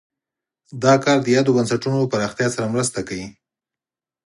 دا کار د یادو بنسټونو پراختیا سره مرسته کوي.